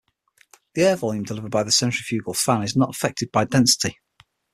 The air volume delivered by the centrifugal fan is not affected by density.